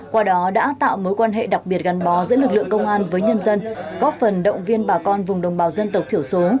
qua đó đã tạo mối quan hệ đặc biệt gắn bó giữa lực lượng công an với nhân dân góp phần động viên bà con vùng đồng bào dân tộc thiểu số